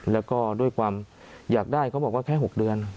แล้วก็ด้วยความอยากได้เขาบอกว่าแค่๖เดือน